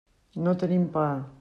No tenim pa.